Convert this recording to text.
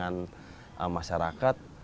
antara petugas dengan masyarakat